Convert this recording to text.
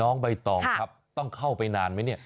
ใบตองครับต้องเข้าไปนานไหมเนี่ย